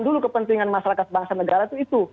dulu kepentingan masyarakat bangsa dan negara itu